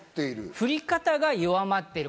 降り方が弱まっている。